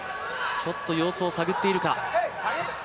ちょっと様子をさぐっているか。